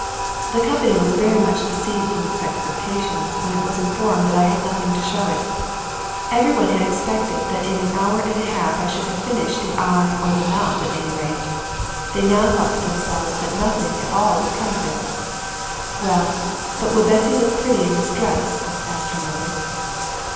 The company was very much deceived in its expectations when it was informed that I had nothing to show it. Every one had expected that in an hour and a half I should have finished the eye or the mouth at any rate; they now thought to themselves that nothing at all would come of it. "Well, but will Bessy look pretty in this dress?" asked her mother.